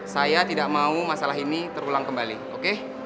saya tidak mau masalah ini terulang kembali oke